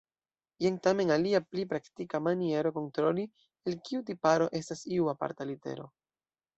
Jen tamen alia, pli praktika, maniero kontroli, el kiu tiparo estas iu aparta litero.